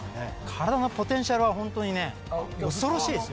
体のポテンシャルは本当にね恐ろしいですよ。